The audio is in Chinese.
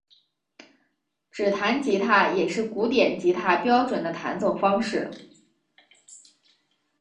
指弹吉他也是古典吉他标准的弹奏方式。